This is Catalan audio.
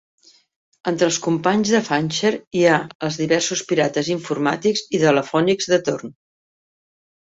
Entre els companys de Fancher hi ha els diversos pirates informàtics i telefònics de torn.